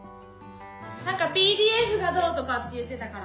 なんかＰＤＦがどうとかって言ってたから。